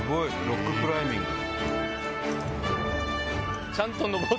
ロッククライミング。